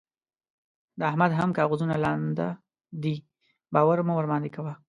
د احمد هم کاغذونه لانده دي؛ باور مه ورباندې کوه.